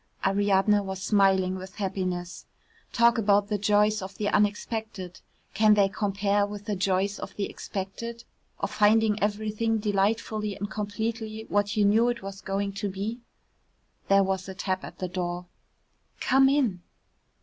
Ariadne was smiling with happiness. Talk about the joys of the unexpected, can they compare with the joys of the expected, of finding everything delightfully and completely what you knew it was going to be? There was a tap at the door. "Come in."